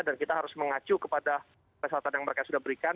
dan kita harus mengacu kepada keselatan yang mereka sudah berikan